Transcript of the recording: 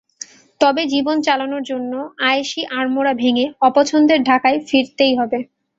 তবে জীবন চালানোর জন্য আয়েশি আড়মোড়া ভেঙে অপছন্দের ঢাকায় ফিরতেই হবে।